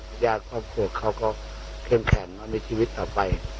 เพื่อหยากครอบครัวเขาก็เช่มแข็งมีชีวิตต่อไป